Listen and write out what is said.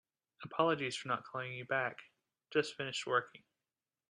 Apologies for not calling you back. Just finished working.